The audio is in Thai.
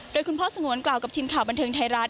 โดยคุณพ่อสงวนกล่าวกับทีมข่าวบันเทิงไทยรัฐ